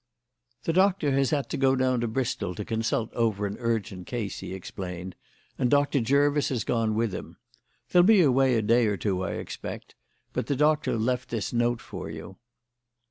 "The Doctor has had to go down to Bristol to consult over an urgent case," he explained, "and Doctor Jervis has gone with him. They'll be away a day or two, I expect, but the Doctor left this note for you."